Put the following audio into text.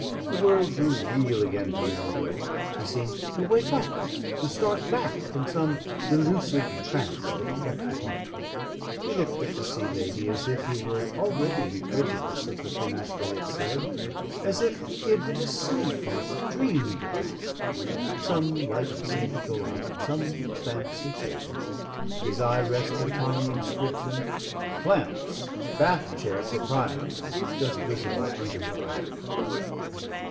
The world grew real again to Melville. He seemed to wake up, to start back from some delusive trance that crept upon him. He looked at the Sea Lady as if he were already incredulous of the things they had said, as if he had been asleep and dreamed the talk. Some light seemed to go out, some fancy faded. His eye rested upon the inscription, "Flamps, Bath Chair Proprietor," just visible under her arm.